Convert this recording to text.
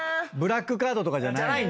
ブラックカードとかじゃない。